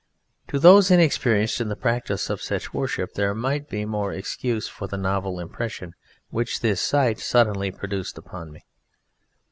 To those inexperienced in the practice of such worship there might be more excuse for the novel impression which this sight suddenly produced upon me.